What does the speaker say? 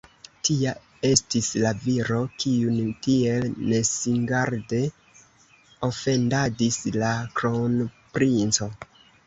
Tia estis la viro, kiun tiel nesingarde ofendadis la kronprinco.